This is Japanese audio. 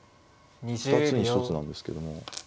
二つに一つなんですけども。